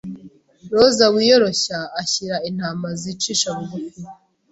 Roza wiyoroshya ashyira intama zicisha bugufi